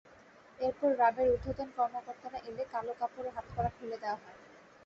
এরপর র্যাবের ঊর্ধ্বতন কর্মকর্তারা এলে কালো কাপড় ও হাতকড়া খুলে দেওয়া হয়।